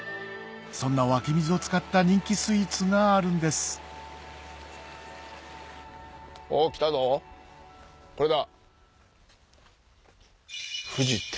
そんな湧き水を使った人気スイーツがあるんですおぉ来たぞこれだ。